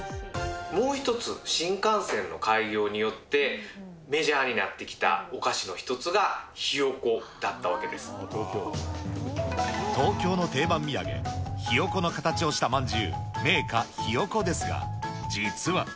もう一つ、新幹線の開業によってメジャーになってきたおかしの一つがひよ子東京の定番土産、ひよこの形をしたまんじゅう、名菓ひよ子ですが、実は。